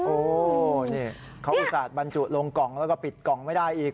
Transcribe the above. โอ้นี่เขาอุตส่าห์บรรจุลงกล่องแล้วก็ปิดกล่องไม่ได้อีก